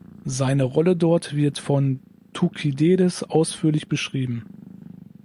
Seine Rolle dort wird von Thukydides ausführlich beschrieben.